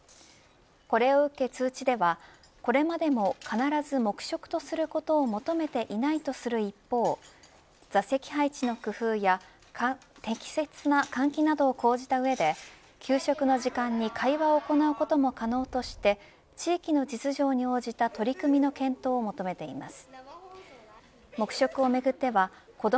これを受け、通知ではこれまでも必ず黙食とすることを求めていないとする一方座席配置の工夫や適切な換気などを講じた上で給食の時間に会話を行うことも可能として地域の実情に応じた取り組みの検討を求めています。